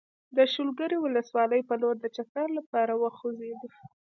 د شولګرې ولسوالۍ په لور د چکر لپاره وخوځېدو.